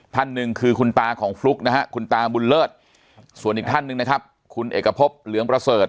ท่านหนึ่งคือคุณตาของฟลุ๊กนะฮะคุณตาบุญเลิศส่วนอีกท่านหนึ่งนะครับคุณเอกพบเหลืองประเสริฐ